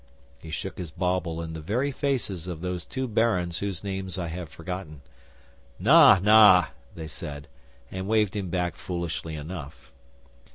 'He shook his bauble in the very faces of those two barons whose names I have forgotten. "Na Na!" they said, and waved him back foolishly enough.